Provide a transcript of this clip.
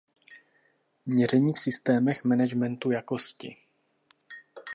Měření v systémech managementu jakosti.